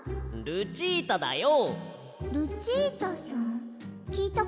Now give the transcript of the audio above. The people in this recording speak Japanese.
ルチータだよ？